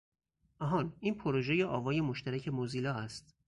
آهان! این پروژه آوای مشترک موزیلا است.